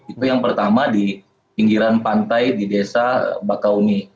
itu yang pertama di pinggiran pantai di desa bakauni